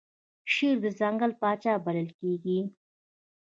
شیر د ځنګل پاچا بلل کیږي